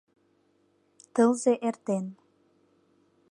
— Тылзе эртен.